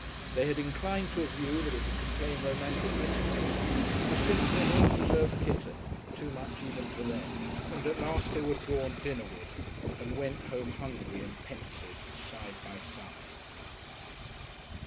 They had inclined to a view that it would contain romantic mysteries, but it was simply an ill preserved kitten too much even for them. And at last they were drawn dinnerward and went home hungry and pensive side by side.